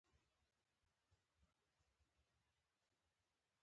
کچالو د نورو خوړو سره ښه ګډېږي